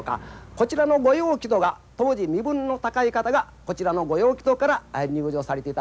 こちらの御用木戸が当時身分の高い方がこちらの御用木戸から入場されていたわけでございます。